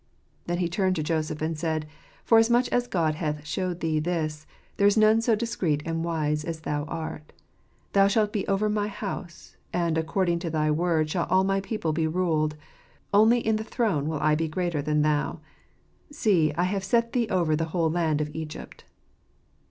Then he turned to Joseph and said, "Forasmuch as God hath showed thee this, there is none so discreet and wise as thou art : thou shalt be over my house, and according to thy word shall all my people be ruled : only in the throne will I be greater than thou. See, I have set thee over the whole land of Egypt."